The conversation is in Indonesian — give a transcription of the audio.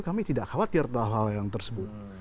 kami tidak khawatir tentang hal yang tersebut